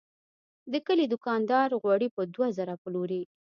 د کلي دوکاندار غوړي په دوه زره پلوري.